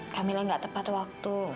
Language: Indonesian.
kamila gak tepat waktu